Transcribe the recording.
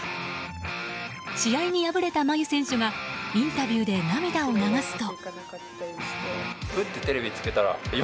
試合に敗れた真佑選手がインタビューで涙を流すと。